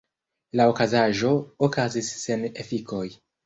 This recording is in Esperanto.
La okazaĵo okazis sen efikoj.